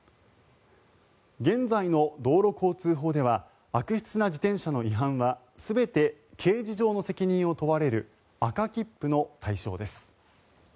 現在の道路交通法では悪質な自転車の違反は全て、刑事上の責任を問われる赤切符の対象です。